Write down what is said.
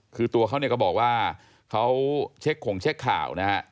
คือตัวเขาเนี่ยก็บอกว่าเขาเช็คขงเช็คข่าวนะฮะ